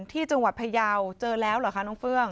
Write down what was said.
ที่จังหวัดพยาวเจอแล้วเหรอคะน้องเฟื่อง